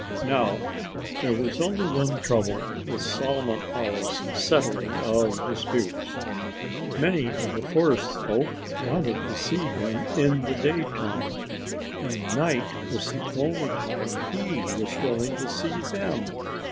Now, there was only one trouble with Solomon Owl's settling of disputes. Many of the forest folk wanted to see him in the daytime. And night was the only time he was willing to see them.